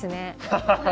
ハハハハ。